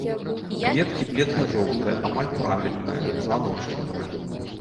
Кветкі бледна-жоўтыя, амаль правільныя, званочкавыя.